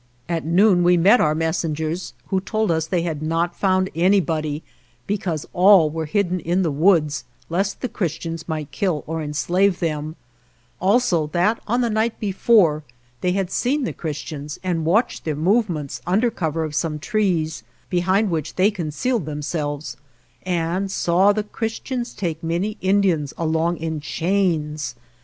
At noon we met our messengers, who told us they had not found anybody, because all were hidden in the woods, lest the Chris tians might kill or enslave them; also that, on the night before, they had seen the Chris tians and watched their movements, under cover of some trees, behind which they con cealed themselves, and saw the Christians take many Indians along in chains.